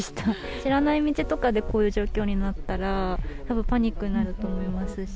知らない道とかで、こういう状況になったら、たぶんパニックになると思いますし。